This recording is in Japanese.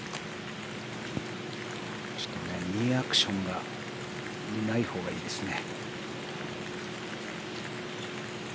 ちょっとニーアクションがないほうがいいですね。